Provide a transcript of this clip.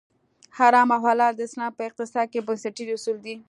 حرام او حلال د اسلام په اقتصاد کې بنسټیز اصول دي.